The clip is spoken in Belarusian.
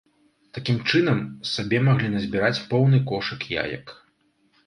Такім чынам, сабе маглі назбіраць поўны кошык яек.